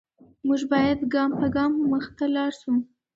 موږ باید ګام په ګام مخته لاړ شو.